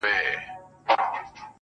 ډېر درته گورم، لږ راوگوره له عرش څخه~